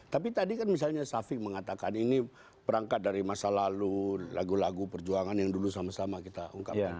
tapi tadi kan misalnya safik mengatakan ini perangkat dari masa lalu lagu lagu perjuangan yang dulu sama sama kita ungkapkan